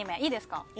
いいですか？